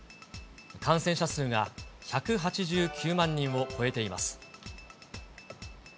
感染者数が１８９万人を超えています。